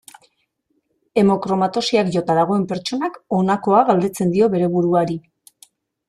Hemokromatosiak jota dagoen pertsonak honakoa galdetzen dio bere buruari.